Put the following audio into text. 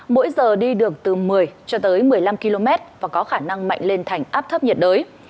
mỗi giờ đi được từ một mươi cho tới một mươi năm km và có khả năng mạnh lên thành áp thấp nhiệt đới